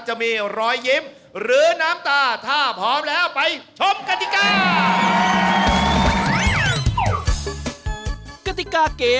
จะมีรอยยิ้มหรือน้ำตา